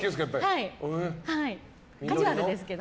カジュアルですけど。